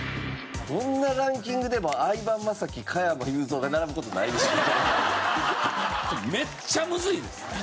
どんなランキングでも相葉雅紀加山雄三が並ぶ事ないでしょうね。